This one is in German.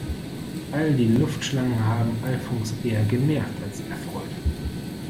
All die Luftschlangen haben Alfons eher genervt als erfreut.